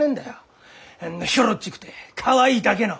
あんなひょろっちくてかわいいだけの！